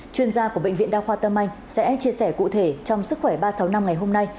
chuyên gia của bệnh viện đa khoa tâm anh sẽ chia sẻ cụ thể trong sức khỏe ba trăm sáu mươi năm ngày hôm nay